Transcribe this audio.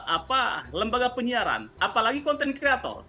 apa lembaga penyiaran apalagi konten kreator